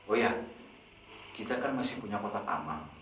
oh ya kita kan masih punya kotak amal